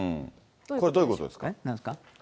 これ、どういうことですか？